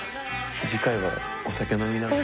次回はお酒飲みながら。